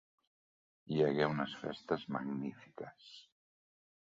Hi hagué unes festes magnífiques.